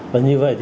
và như vậy